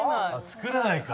作れないか。